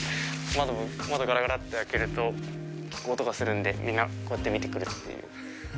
窓ガラガラって開けると音がするんでみんなこうやって見てくるっていう。